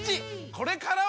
これからは！